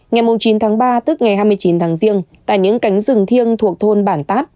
ngày chín tháng ba tức ngày hai mươi chín tháng riêng tại những cánh rừng thiêng thuộc thôn bản tát